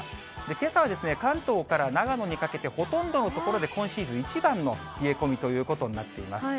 けさは関東から長野にかけて、ほとんどの所で今シーズン一番の冷え込みということになっています。